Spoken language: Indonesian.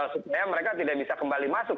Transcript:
supaya mereka tidak bisa kembali masuk